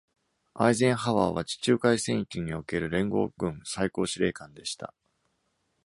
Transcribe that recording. アイゼンハワーは、地中海戦域における連合軍最高司令官でした。